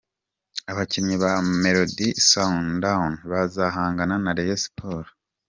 Abakinnyi ba Mamelodi Sundowns bazahangana na Rayon Sports:.